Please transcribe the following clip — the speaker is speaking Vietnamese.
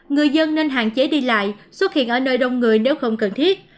người dân nên hạn chế đi lại xuất hiện ở nơi đông người nếu không cần thiết